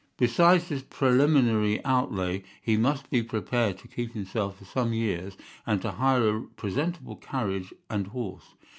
Besides this preliminary outlay, he must be prepared to keep himself for some years, and to hire a presentable carriage and horse.